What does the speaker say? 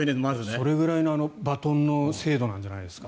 それぐらいのバトンの精度なんじゃないですか。